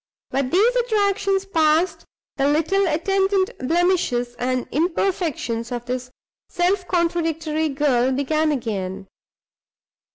But these attractions passed, the little attendant blemishes and imperfections of this self contradictory girl began again.